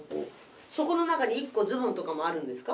そこの中に一個ズボンとかもあるんですか？